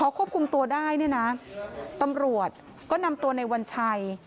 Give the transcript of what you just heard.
ควบคุมตัวได้เนี่ยนะตำรวจก็นำตัวในวัญชัย